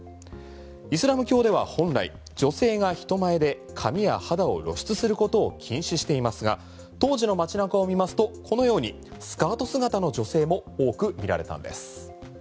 イスラム教では本来女性が人前で髪や肌を露出することを禁止していますが当時の街中を見ますとこのようにスカート姿の女性も多く見られたんです。